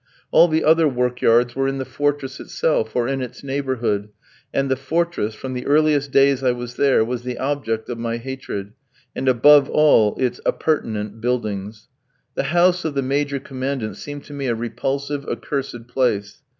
All the other workyards were in the fortress itself, or in its neighbourhood; and the fortress, from the earliest days I was there, was the object of my hatred, and, above all, its appurtenant buildings. The house of the Major Commandant seemed to me a repulsive, accursed place.